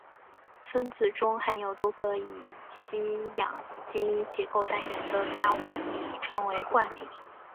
分子中含有多个乙烯氧基结构单元的大环醚称为冠醚。